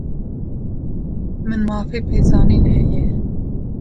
Min mafê pêzanînê heye.